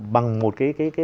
bằng một cái